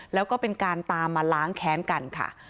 แล้วก็เป็นการตามมาล้างแค้นกันค่ะ